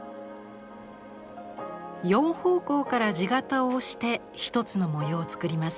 ４方向から地形を押して１つの模様を作ります。